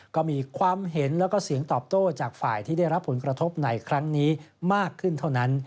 ก็มีความเห็นแล้วก็เสียงตอบโต้จากฝ่ายที่ได้รับผลกระทบในครั้งนี้มากขึ้นเท่านั้น